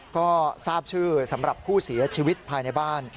ก็ทราบชื่อสำหรับผู้เสียชีวิตภายในบ้าน